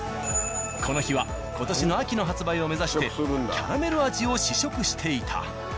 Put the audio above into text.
この日は今年の秋の発売を目指してキャラメル味を試食していた。